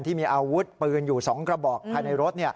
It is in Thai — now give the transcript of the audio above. ที่มีอาวุธปืนอยู่๒กระบอกภายในรถ